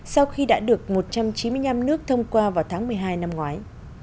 sau khi đã được một trăm chín mươi năm nước thông qua vào tháng một mươi hai năm ngoái